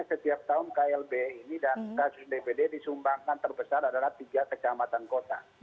setiap tahun klb ini dan kasus dpd disumbangkan terbesar adalah tiga kecamatan kota